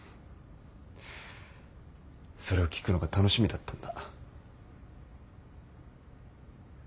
それを聞くのが楽しみだったんだ。